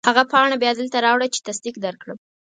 هغه پاڼه بیا دلته راوړه چې تصدیق درکړم.